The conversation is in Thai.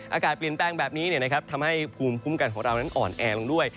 อากาศเปลี่ยนแปลงแบบนี้ทำให้ภูมิคุ้มกันของเรานั้นอ่อนแอลงด้วย